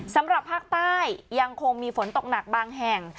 สำหรับภาคใต้ยังคงมีฝนตกหนักบางแห่ง